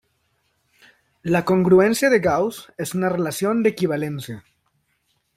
La congruencia de Gauss es una relación de equivalencia.